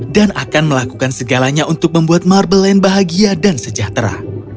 dan akan melakukan segalanya untuk membuat marble land bahagia dan sejahtera